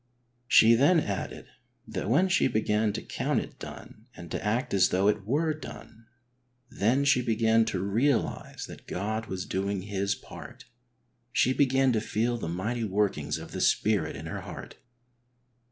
She then added that when she began to count it done and to act as though it were done, then she began to realise that God was doing His part. She began to feel the mighty workings of the Spirit in her heart.